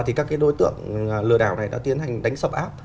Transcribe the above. thì các đối tượng lừa đảo này đã tiến hành đánh sập áp